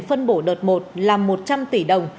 phân bổ đợt một là một trăm linh tỷ đồng